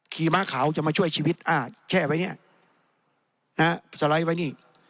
ม้าขาวจะมาช่วยชีวิตอ่าแช่ไว้เนี่ยนะฮะสไลด์ไว้นี่